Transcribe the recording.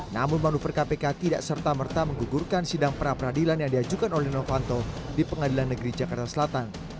namun manuver kpk tidak serta merta menggugurkan sidang pra peradilan yang diajukan oleh novanto di pengadilan negeri jakarta selatan